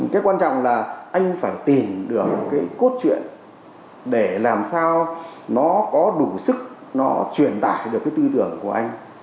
cái quan trọng là anh phải tìm được cái cốt truyện để làm sao nó có đủ sức nó truyền tải được cái tư tưởng của anh